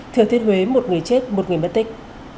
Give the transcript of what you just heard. thừa thiên huế một người chết một người mất tích